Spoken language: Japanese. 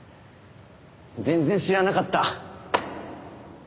全然知らなかった。